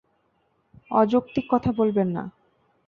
অযৌক্তিক কথা বলবেন না।